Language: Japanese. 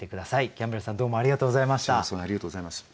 キャンベルさんどうもありがとうございました。